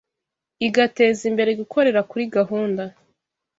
igateza imbere gukorera kuri gahunda